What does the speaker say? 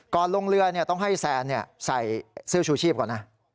ลงเรือต้องให้แซนใส่เสื้อชูชีพก่อนนะ